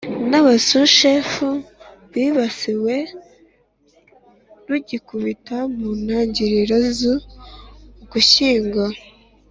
n abasushefu bibasiwe rugikubita mu ntangiriro z Ugushyingo